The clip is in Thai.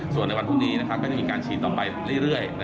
ส่วนในวันพรุ่งนี้ก็จะมีการฉีดต่อไปเรื่อย